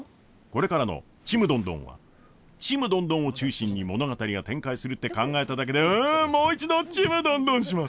これからの「ちむどんどん」はちむどんどんを中心に物語が展開するって考えただけでうんもう一度ちむどんどんします！